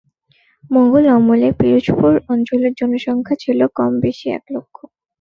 মোগল আমলে পিরোজপুর অঞ্চলের জনসংখ্যা ছিল কম-বেশি এক লক্ষ।